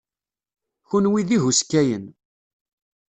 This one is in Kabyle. Kenwi d ihuskayen.